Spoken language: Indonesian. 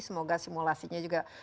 semoga simulasinya juga